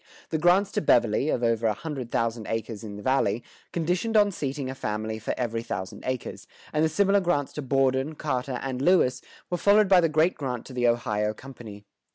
The grants to Beverley, of over a hundred thousand acres in the Valley, conditioned on seating a family for every thousand acres, and the similar grants to Borden, Carter, and Lewis, were followed by the great grant to the Ohio Company.